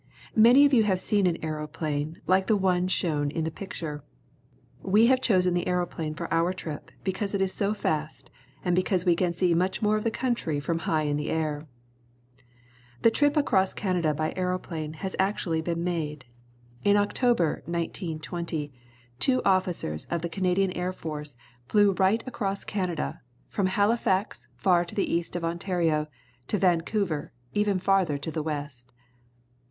Many of you have seen an aeroplane like the one shown in the picture. We have chosen the aeroplane for our trip because it is so fast and because we can see much more of the country from high in the air. The trip across Canada by aeroplane has actually been made. In October, 1920, two officers of the Canadian Air Force flew right across Canada, from Halifax, far to the east of Ontario, to Vancouver, even farther to the west.